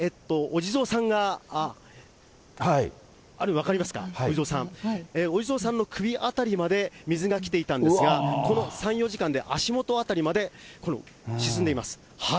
お地蔵さんの首辺りまで水が来ていたんですが、この３、４時間で足元辺りまで沈んでいます。